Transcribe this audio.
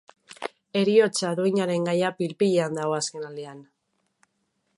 Heriotza duinaren gaia pil-pilean dago azken aldian.